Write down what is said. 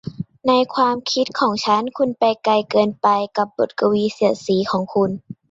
ในความคิดของฉันคุณไปไกลเกินไปกับบทกวีเสียดสีของคุณ